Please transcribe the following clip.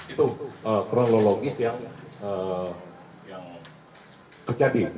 itu kronologis yang terjadi